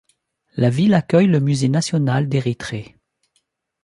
La ville accueille le Musée national d'Érythrée.